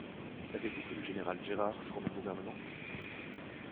Savez-vous que le général Gérard forme un gouvernement?